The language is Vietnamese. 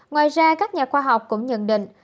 ngoài ra các nhà khoa học cũng nhận định